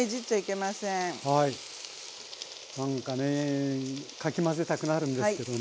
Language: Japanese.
なんかねかき混ぜたくなるんですけどね。